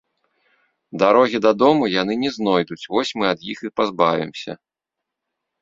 Дарогі дадому яны не знойдуць, вось мы ад іх і пазбавімся